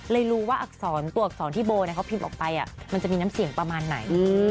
รู้ว่าอักษรตัวอักษรที่โบเขาพิมพ์ออกไปมันจะมีน้ำเสียงประมาณไหน